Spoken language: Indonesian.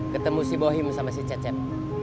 ketemu si bohim sama si cet cet